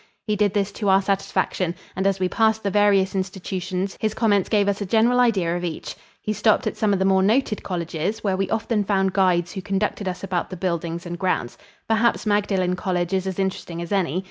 He did this to our satisfaction, and as we passed the various institutions his comments gave us a general idea of each. He stopped at some of the more noted colleges, where we often found guides who conducted us about the buildings and grounds. Perhaps Magdalen College is as interesting as any.